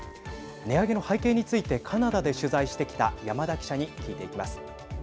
値上げの背景についてカナダで取材してきた山田記者に聞いていきます。